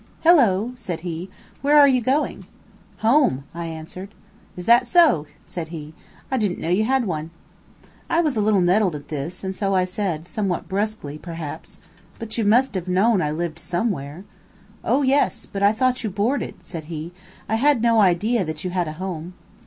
"Hello!" said he, "where are you going?" "Home," I answered. "Is that so?" said he. "I didn't know you had one." I was a little nettled at this, and so I said, somewhat brusquely perhaps: "But you must have known I lived somewhere." "Oh, yes! But I thought you boarded," said he. "I had no idea that you had a home."